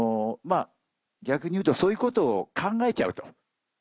逆に言うとそういうことを考えちゃうと。